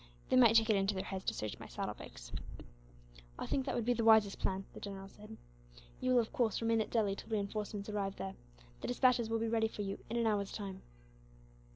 They might take it into their heads to search my saddlebags." "I think that would be the wisest plan," the general said. "You will, of course, remain at Delhi till reinforcements arrive there. The despatches will be ready for you, in an hour's time."